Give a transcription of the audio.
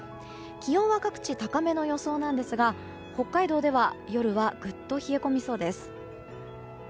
気温は各地高めの予想なんですが北海道では夜はぐっと冷え込みそうです。